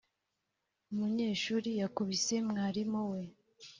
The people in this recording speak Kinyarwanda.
Umunyeshuri yakubise mwarimu we